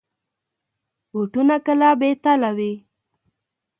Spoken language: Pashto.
بوټونه کله بې تله وي.